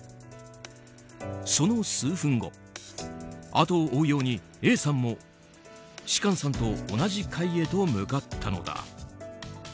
その数分後後を追うようにＡさんも芝翫さんと同じ階へと向かったのだ。